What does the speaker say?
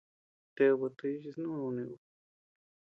!Ted botella chi snú nuni ú!